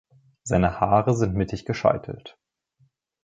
Seine Haare sind mittig gescheitelt.